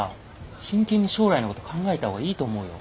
真剣に将来のこと考えたほうがいいと思うよ。